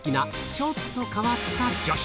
ちょっと変わった女子